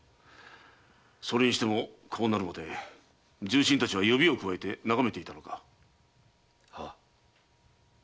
それにしてもこうなるまで重臣たちは指をくわえて眺めていたのか？は。